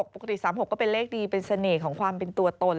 ปกติ๓๖ก็เป็นเลขดีเป็นเสน่ห์ของความเป็นตัวตน